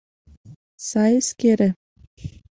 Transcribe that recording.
Сай эскере!